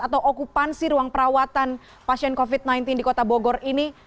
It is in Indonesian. atau okupansi ruang perawatan pasien covid sembilan belas di kota bogor ini